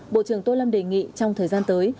bộ trưởng tô lâm đề nghị trong thời gian tới